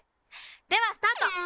ではスタート！